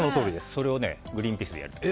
それをグリーンピースでやると。